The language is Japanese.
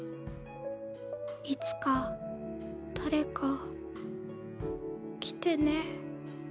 いつか誰か来てね。